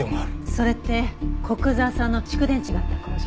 それって古久沢さんの蓄電池があった工場。